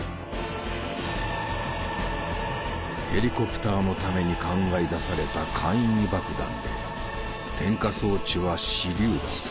ヘリコプターのために考え出された簡易爆弾で点火装置は手りゅう弾。